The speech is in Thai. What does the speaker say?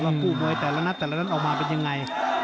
ว่าคู่มวยแต่ละนัดแต่ละอันนั้นออกมามันเป็นยังไง